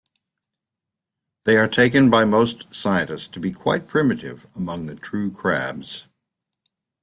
They are taken by most scientists to be quite primitive among the true crabs.